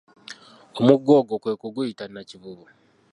Omugga ogwo kwe kuguyita Nakivubo.